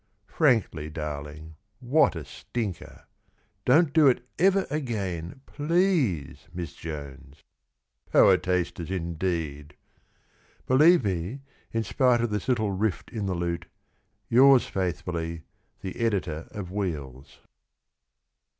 Frankly, darling, what a stinker! Don't do it ever again, please, Miss Jones! Poetasters indeed ! Believe me, in spite of tins little rift in the lute, Yours faithfully, The Editor of WHEELS.